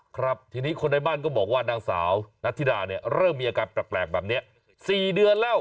ครับทีนี้คนในบ้านก็บอกว่านางสาวนัทธิดาเนี่ยเริ่มมีอาการแปลกแบบนี้๔เดือนแล้ว